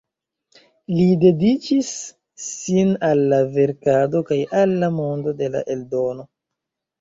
Li dediĉis sin al la verkado kaj al la mondo de la eldono.